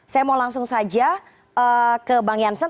saya mau langsung saja ke bang jansen